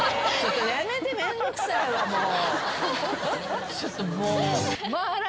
やめてめんどくさいわもう。